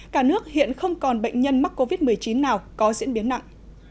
cả nước hiện không còn bệnh nhân mắc covid một mươi chín nào có diễn biến nặng